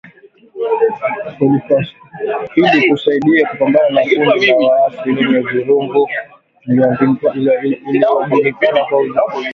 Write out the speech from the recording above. ili kusaidia kupambana na kundi la waasi lenye vurugu linalojulikana kwa uingiliaji mkubwa zaidi wa kigeni nchini Kongo